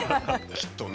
きっとね。